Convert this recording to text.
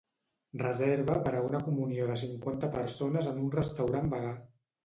Reserva per a una comunió de cinquanta persones en un restaurant vegà.